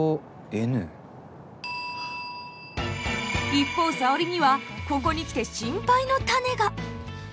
一方沙織にはここに来て心配の種が。